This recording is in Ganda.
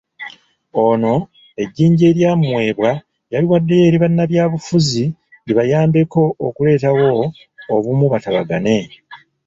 Ono ejjinja eryamuweebwa yaliwaddeyo eri bannabyabufuzi libayambeko okuleetawo obumu batabagane.